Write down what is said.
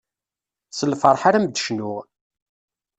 S lferḥ ara m-d-cnuɣ.